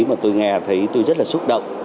mà tôi nghe thấy tôi rất là xúc động